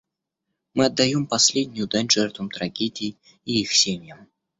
Мы отдаем последнюю дань жертвам трагедии и их семьям.